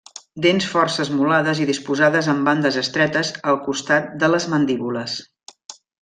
Dents força esmolades i disposades en bandes estretes als costats de les mandíbules.